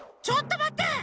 ちょっとまって！